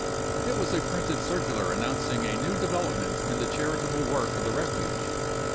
It was a printed circular announcing a new development in the charitable work of the Refuge.